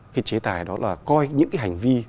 cái chế tài đó là coi những cái hành vi